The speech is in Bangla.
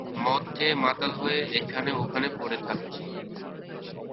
মদ খেয়ে মাতাল হয়ে এখানে ওখানে পড়ে থাকছো।